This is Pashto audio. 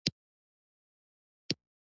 له خټو او خاشاکو پرته بل څه نه و.